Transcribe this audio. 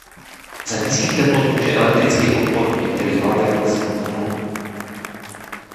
Za nízkých teplot může elektrický odpor u některých látek klesnout na nulu.